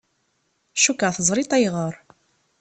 Cukkeɣ teẓriḍ ayɣer.